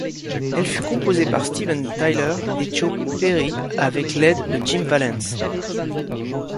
Elle fut composée par Steven Tyler et Joe Perry avec l'aide de Jim Vallance.